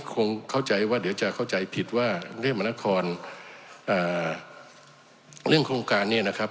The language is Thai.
คงเข้าใจว่าเดี๋ยวจะเข้าใจผิดว่าเทพมนครเรื่องโครงการเนี่ยนะครับ